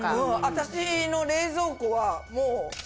私の冷蔵庫はもう。